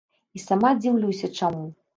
І сама дзіўлюся чаму.